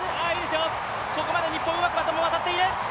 ここまで日本、うまくバトンがまわっている。